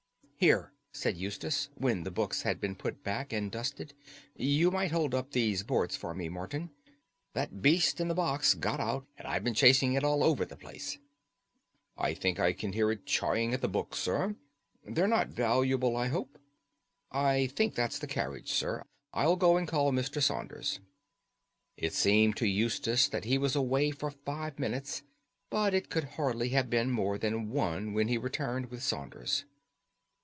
"Here," said Eustace, when the books had been put back and dusted, "you might hold up these boards for me, Morton. That beast in the box got out, and I've been chasing it all over the place." "I think I can hear it chawing at the books, sir. They're not valuable, I hope? I think that's the carriage, sir; I'll go and call Mr. Saunders." It seemed to Eustace that he was away for five minutes, but it could hardly have been more than one when he returned with Saunders.